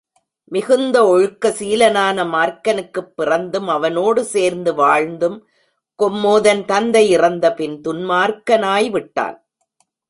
மிகுந்த ஒழுக்க சீலனான மார்க்கனுக்குப் பிறந்தும், அவனோடு சேர்ந்து வாழ்ந்தும், கொம்மோதன் தந்தை இறந்தபின் துன்மார்க்கனாய்விட்டான்.